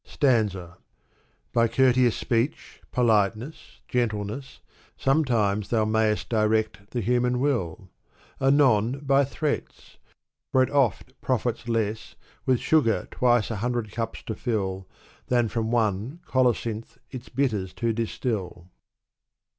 StafiMa. By courteous speech, politeness, gentleness. Sometimes thou mayest direct the human will : Anon by threats ; for it oft profits less With sugar twice a hundred cups to fill. Than from one cokn^nth its bitters to distil.